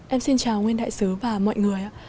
em xin chào nguyên đại sứ và mọi người